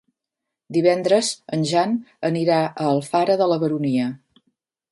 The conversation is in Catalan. Divendres en Jan anirà a Alfara de la Baronia.